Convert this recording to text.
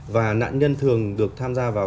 và nạn nhân thường được tham gia vào